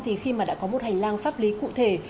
thì khi mà đã có một hành lang pháp lý cụ thể